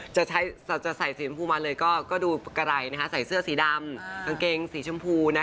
จะใส่สีชมพูมาเลยก็ดูกระไหล่ใส่เสื้อสีดำกางเกงสีชมพู